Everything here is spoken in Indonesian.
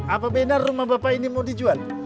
apa benar rumah bapak ini mau dijual